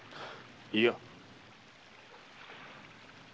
いや。